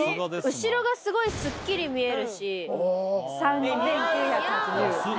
後ろがすごいすっきり見える３９８０円。